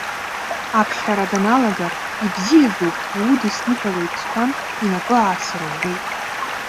Аԥхьара даналга, ибзиаӡоуп, иудысныҳәалоит, сҳәан, инапы аасырӷәӷәеит.